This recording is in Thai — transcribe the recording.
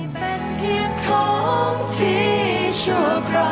แล้วค่ะ